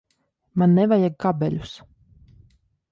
Man nevajag kabeļus.